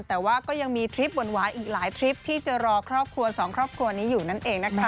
แต่ว่าก็ยังมีทริปหวานอีกหลายทริปที่จะรอครอบครัวสองครอบครัวนี้อยู่นั่นเองนะคะ